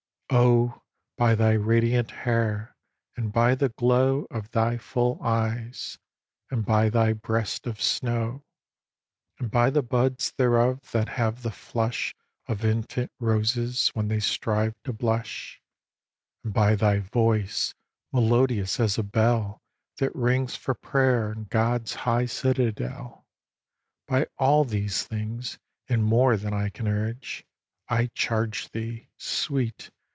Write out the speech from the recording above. ix. Oh, by thy radiant hair and by the glow Of thy full eyes, and by thy breast of snow, And by the buds thereof that have the flush Of infant roses when they strive to blush, And by thy voice, melodious as a bell That rings for prayer in God's high citadel, By all these things, and more than I can urge, I charge thee, Sweet!